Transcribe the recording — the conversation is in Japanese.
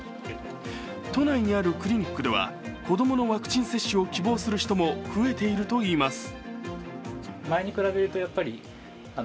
都内にあるクリニックでは子どものワクチン接種を希望する人も増えているといいます。